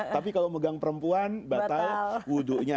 tapi kalau megang perempuan batal wudhunya